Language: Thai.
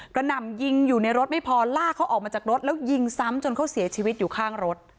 หน่ำยิงอยู่ในรถไม่พอลากเขาออกมาจากรถแล้วยิงซ้ำจนเขาเสียชีวิตอยู่ข้างรถ